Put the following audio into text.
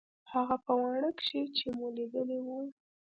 هغه په واڼه کښې چې مو ليدلي وو.